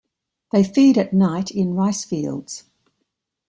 They feed at night in rice fields.